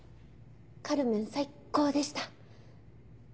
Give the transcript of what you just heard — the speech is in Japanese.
『カルメン』最高でした。